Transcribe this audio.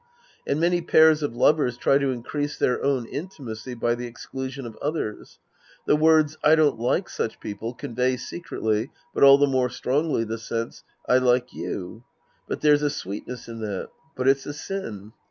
And many pairs of lovers try to increase their own intimacy by the exclusion of others. The words " I don't like such people," convey secretly, but all the more strongly, the sense, " I like you." For there's a sweetness in that. But, it's a sin.